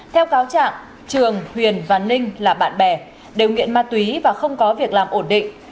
theo cáo trạng trường huyền và ninh là bạn bè đều nghiện ma túy và không có việc làm ổn định